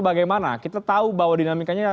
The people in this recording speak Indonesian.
bagaimana kita tahu bahwa dinamikanya